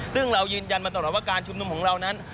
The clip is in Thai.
ซึ่งเรายืนยันมาตลอดว่าการชุมนุมของเรานั้น